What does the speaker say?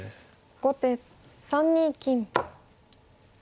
後手３二金。